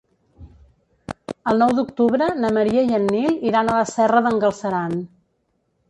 El nou d'octubre na Maria i en Nil iran a la Serra d'en Galceran.